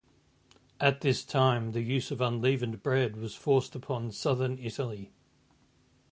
At this time the use of unleavened bread was forced upon southern Italy.